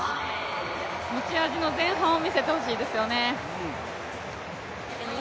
持ち味の前半を見せてほしいですよね。